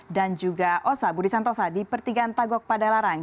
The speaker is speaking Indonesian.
dan juga osa budi santosa di pertigaan tagok pada larang